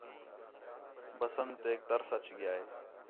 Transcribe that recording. بسنٹیک ترس اَچ ڳِیا ہِے